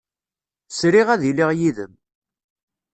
Sriɣ ad iliɣ yid-m.